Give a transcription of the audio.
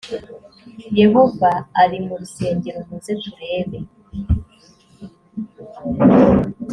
yehova ari mu rusengero muze turebe